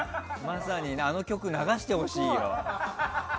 あの曲、流してほしいよ。